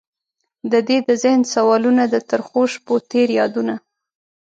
ددې د ذهن سوالونه، د ترخوشپوتیر یادونه